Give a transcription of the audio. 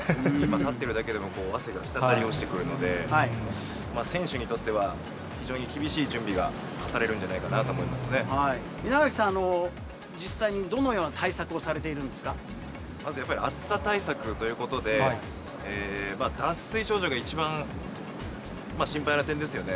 立ってるだけでも汗が滴り落ちてくるので、選手にとっては非常に厳しい準備がされるんじゃないかなと思いま稲垣さん、実際にどのようなまずやっぱり暑さ対策ということで、脱水症状が一番心配な点ですよね。